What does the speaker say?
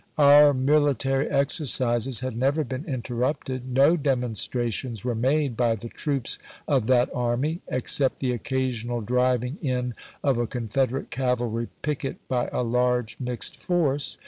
" Our mil itary exercises had never been interrupted. No demonstrations were made by the troops of that army, except the occasional driving in of a Con federate cavalry picket by a large mixed force.